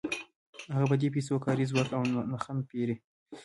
هغه په دې پیسو کاري ځواک او تخم پېري